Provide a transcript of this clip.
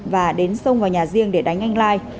và đến xông vào nhà riêng để đánh anh lai